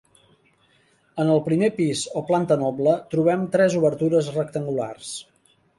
En el primer pis o planta noble trobem tres obertures rectangulars.